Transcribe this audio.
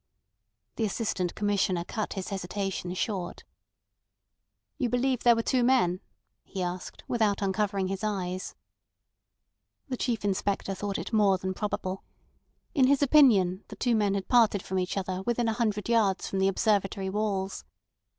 The Assistant Commissioner cut his hesitation short. "You believe there were two men?" he asked, without uncovering his eyes. The Chief Inspector thought it more than probable. In his opinion, the two men had parted from each other within a hundred yards from the Observatory walls.